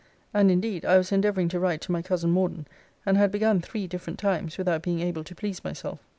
And indeed I was endeavouring to write to my cousin Morden; and had begun three different times, without being able to please myself.